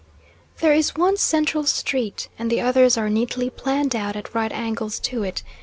There is one central street, and the others are neatly planned out at right angles to it.